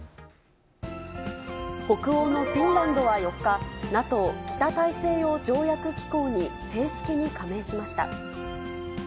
北欧のフィンランドは４日、ＮＡＴＯ・北大西洋条約機構に正式に加盟しました。